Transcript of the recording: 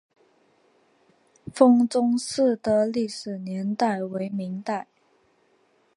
封崇寺的历史年代为明代。